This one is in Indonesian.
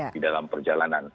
di dalam perjalanan